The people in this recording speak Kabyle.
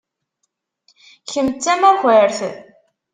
Kemm d tamakart.